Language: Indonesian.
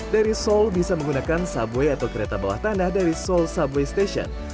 dari seoul bisa menggunakan subway atau kereta bawah tanah dari seoul subway station